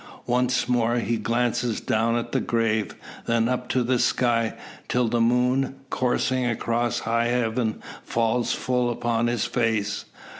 Once more he glances down at the grave; then up to the sky, till the moon, coursing across high heaven, falls full upon his face.